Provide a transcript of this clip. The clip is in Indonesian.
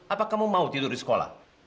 apa kamu mau tidur di sekolah